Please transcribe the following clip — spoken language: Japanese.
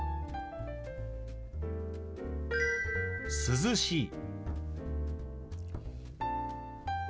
「涼しい」。